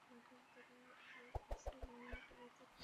বসন্ত রায় আলাের কাছে লইয়া পড়িতে লাগিলেন।